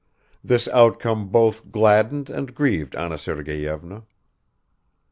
This outcome both gladdened and grieved Anna Sergeyevna.